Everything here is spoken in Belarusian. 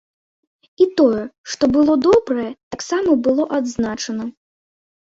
І тое, што было добрае, таксама было адзначана.